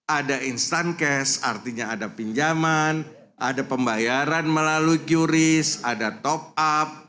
ada instant cash artinya ada pinjaman ada pembayaran melalui juris ada top up